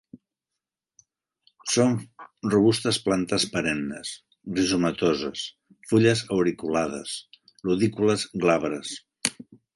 Són robustes plantes perennes; rizomatoses. Fulles auriculades. Lodícules glabres.